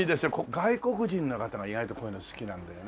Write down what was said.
外国人の方が意外とこういうの好きなんだよね。